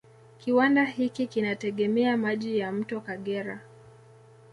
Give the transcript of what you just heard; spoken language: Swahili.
Kiwanda hiki kinategemea maji ya mto Kagera